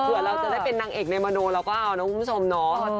เผื่อเราจะได้เป็นนางเอกในมโนเราก็เอานะคุณผู้ชมเนาะ